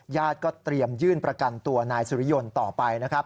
ญาติก็เตรียมยื่นประกันตัวนายสุริยนต์ต่อไปนะครับ